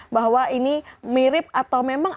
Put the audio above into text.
bahwa ini mirip atau memang